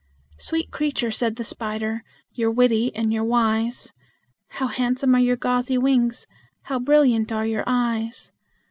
"Sweet creature!" said the spider, "you're witty and you're wise; How handsome are your gauzy wings; how brilliant are your eyes!